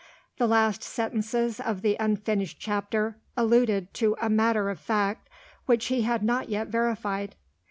The last sentences of the unfinished chapter alluded to a matter of fact which he had not yet verified.